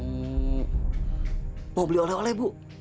hmm mau beli oleh oleh bu